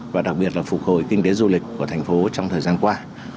và đặc biệt là phục hồi kinh tế du lịch của thành phố trong thời gian qua